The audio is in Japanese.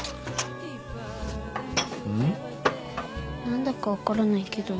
何だか分からないけど。